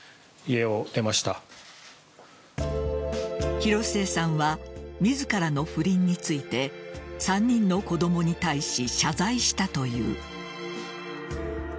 広末さんは自らの不倫について３人の子供に対し謝罪したという。